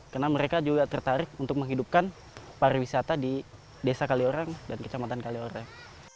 karena mereka juga tertarik untuk menghidupkan para wisata di desa kaliorang dan kecamatan kaliorang